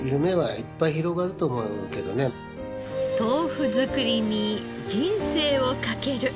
豆腐作りに人生をかける。